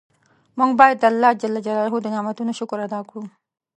مونږ باید د الله ج د نعمتونو شکر ادا کړو.